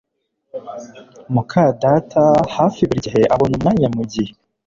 muka data hafi buri gihe abona umwanya mugihe